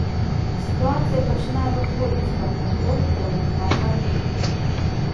Сітуацыя пачынае выходзіць з-пад кантролю кіраўніка чаргі.